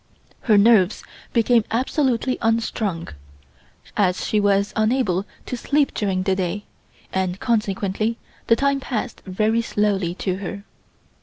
Her nerves became absolutely unstrung, as she was unable to sleep during the day, and consequently the time passed very slowly to her.